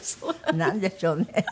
なんでしょうね。